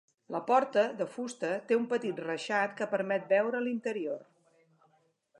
La porta, de fusta, té un petit reixat que permet veure l'interior.